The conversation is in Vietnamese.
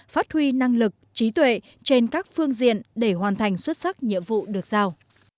phát huy năng lực trí tuệ trên các phương diện để hoàn thành xuất sắc nhiệm vụ được giao